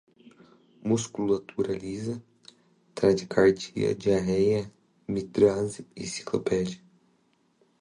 musculatura lisa, taquicardia, diarreia, midríase, ciclopegia